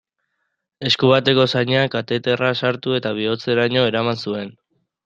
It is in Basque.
Esku bateko zainean kateterra sartu eta bihotzeraino eraman zuen.